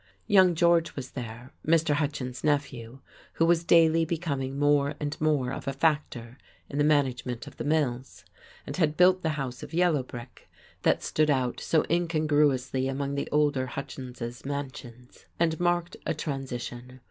Young George was there, Mr. Hutchins's nephew, who was daily becoming more and more of a factor in the management of the mills, and had built the house of yellow brick that stood out so incongruously among the older Hutchinses' mansions, and marked a transition.